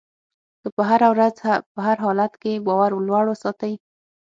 که په هره ورځ په هر حالت کې باور لوړ وساتئ.